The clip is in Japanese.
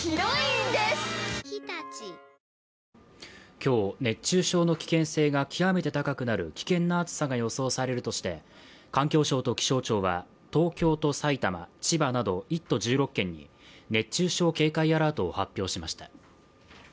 今日、熱中症の危険性が極めて高くなる危険な暑さが予想されるとして環境省と気象庁は東京と埼玉、千葉など１都１６県に熱中症警戒アラートを発表しました。